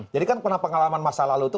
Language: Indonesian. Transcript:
jadi kan pernah pengalaman masa lalu itu